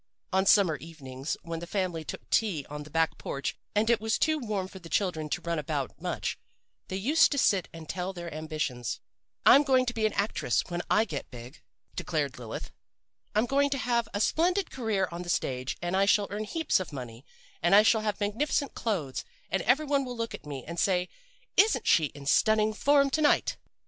On summer evenings, when the family took tea on the back porch and it was too warm for the children to run about much, they used to sit and tell their ambitions. "'I'm going to be an actress when I get big,' declared Lilith. 'I'm going to have a splendid career on the stage, and I shall earn heaps of money. And I shall have magnificent clothes, and every one will look at me and say, "Isn't she in stunning form to night!"